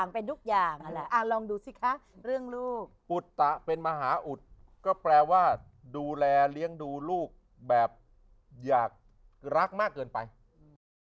เป็นทุกอย่างนั่นแหละอ่าลองดูสิคะเรื่องลูกอุตตะเป็นมหาอุดก็แปลว่าดูแลเลี้ยงดูลูกแบบอยากรักมากเกินไปอืม